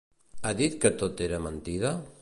Ha dit que tot era mentida?